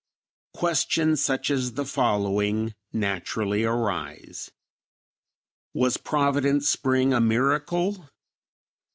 Questions such as the following naturally arise: Was Providence Spring a miracle?